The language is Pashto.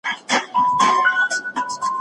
هلوا تر اوسه نه ده سړېدلې.